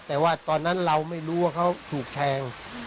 แต่ว่าตอนนั้นเราไม่รู้ว่าเขาถูกแทง